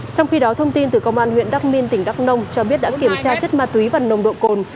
trong khi đó thông tin từ công an huyện đắc minh tỉnh đắk nông cho biết đã kiểm tra chất ma túy và nồng độ cồn